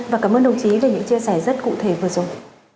và cảm ơn đồng chí về những chia sẻ rất cụ thể vừa rồi